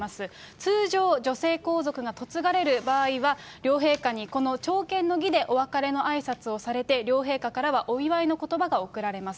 通常、女性皇族が嫁がれる場合は、両陛下にこの朝見の儀でお別れのあいさつをされて、両陛下からはお祝いのことばが送られます。